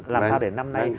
làm sao để năm nay